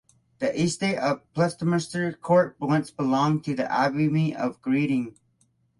The estate of Bulmershe Court once belonged to the Abbey of Reading.